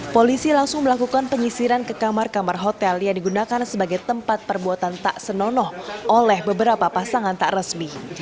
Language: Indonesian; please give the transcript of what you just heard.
polisi langsung melakukan penyisiran ke kamar kamar hotel yang digunakan sebagai tempat perbuatan tak senonoh oleh beberapa pasangan tak resmi